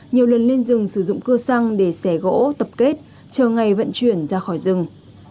nhiều lần lên rừng sử dụng cưa xăng để xẻ gỗ tập kết chờ ngày vận chuyển ra khỏi rừng